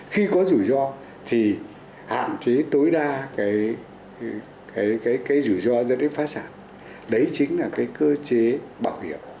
khi có rủi ro thì hạn chế tối đa cái rủi ro ra để phát sản đấy chính là cái cơ chế bảo hiểm